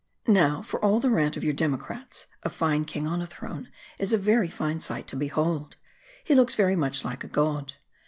Now, for all the rant of your democrats, a fine king on a throne is a very fine sight to behold. He looks very much like a god.